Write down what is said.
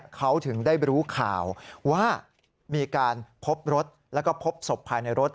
เขาถึงได้รู้ข่าวว่ามีการพบรถแล้วก็พบศพภายในรถ